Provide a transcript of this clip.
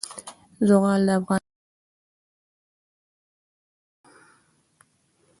زغال د افغانانو د اړتیاوو د پوره کولو وسیله ده.